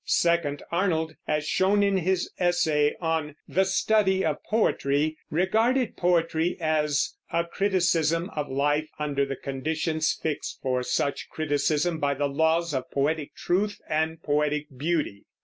Second, Arnold, as shown in his essay on The Study of Poetry, regarded poetry as "a criticism of life under the conditions fixed for such criticism by the laws of poetic truth and poetic beauty."